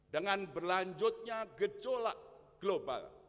dengan berlanjutnya gejolak global